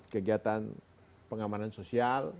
kegiatan pengamanan sosial